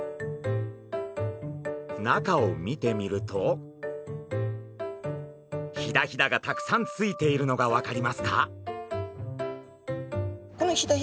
中を見てみるとヒダヒダがたくさんついているのが分かりますか？